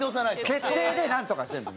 「決定」でなんとか全部。